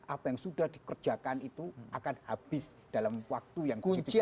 apa yang sudah dikerjakan itu akan habis dalam waktu yang begitu besar